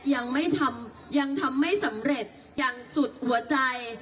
ยังทำไม่สำเร็จอย่างสุดหัวใจ